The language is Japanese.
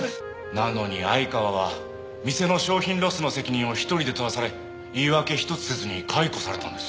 なのに相川は店の商品ロスの責任を一人で取らされ言い訳ひとつせずに解雇されたんです。